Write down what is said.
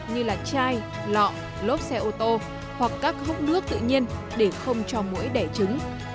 như chai lọ lốp xe ô tô hoặc các hốc nước tự nhiên để không cho mũi đẻ trứng